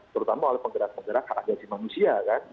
terutama oleh penggerak penggerak agasi manusia